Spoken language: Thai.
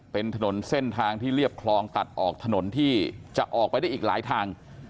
เป็นถนนเส้นทางที่เรียบคลองตัดออกถนนที่จะออกไปได้อีกหลายทาง